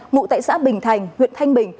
ngụ tại xã bình thành huyện thanh bình